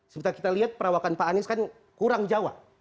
seperti kita lihat perawakan pak anies kan kurang jawa